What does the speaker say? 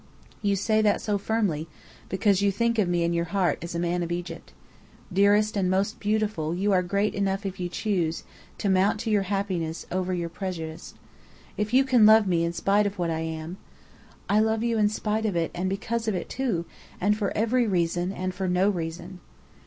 "You say that so firmly, because you think of me in your heart as a man of Egypt. Dearest and most beautiful, you are great enough if you choose, to mount to your happiness over your prejudice. If you can love me in spite of what I am " "I love you in spite of it, and because of it, too; and for every reason, and for no reason."